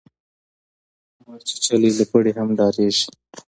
ـ مارچيچلى له پړي ډاريږي.